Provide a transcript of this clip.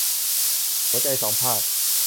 หัวใจสองภาค